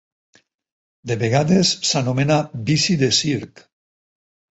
De vegades s'anomena "bici de circ".